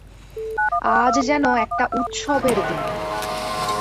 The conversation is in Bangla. আজ যেন একটা উৎসবের দিন।